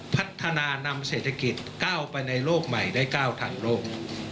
พัฒนานำเศรษฐกิจก้าวไปในโลกใหม่ได้๙ทันโลก